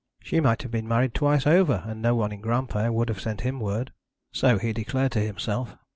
She might have been married twice over, and no one in Granpere would have sent him word. So he declared to himself.